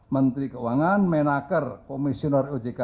menteri keuangan menaker komisioner ojk